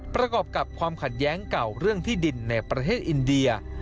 ประกอบกับความขัดแย้งเก่าเรื่องที่ดินในประเทศอินเดีย